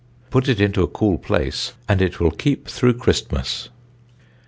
Put it into a cool place and it will keep through Christmas."